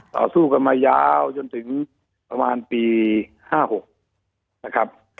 ต่อสู้กันมายาวจนถึงประมาณปี๕๖นะครับ